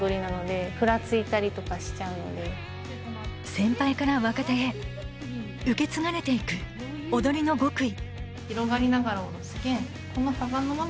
先輩から若手へ受け継がれていく踊りの極意うんうん